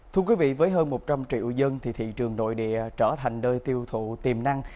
thưa quý vị với hơn một trăm linh triệu dân thì thị trường nội địa trở thành nơi tiêu thụ tiềm năng